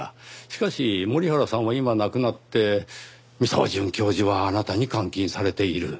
しかし森原さんは今亡くなって三沢准教授はあなたに監禁されている。